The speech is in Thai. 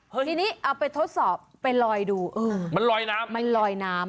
ทีนี้เอาไปทดสอบไปลอยดูเออมันลอยน้ำมันลอยน้ำ